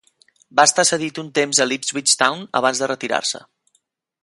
Va estar cedit un temps a l'Ipswich Town abans de retirar-se.